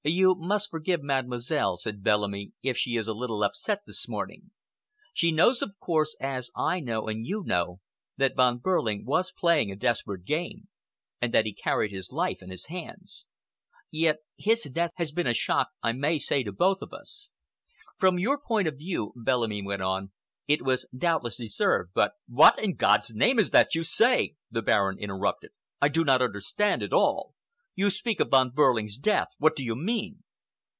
"You must forgive Mademoiselle," said Bellamy, "if she is a little upset this morning. She knows, of course, as I know and you know, that Von Behrling was playing a desperate game, and that he carried his life in his hands. Yet his death has been a shock—has been a shock, I may say, to both of us. From your point of view," Bellamy went on, "it was doubtless deserved, but—" "What, in God's name, is this that you say?" the Baron interrupted. "I do not understand at all! You speak of Von Behrling's death! What do you mean?"